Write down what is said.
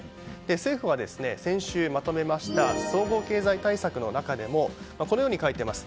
政府は先週まとめました総合経済対策の中でもこのようにあります。